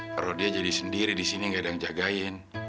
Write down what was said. kalau dia jadi sendiri disini gak ada yang jagain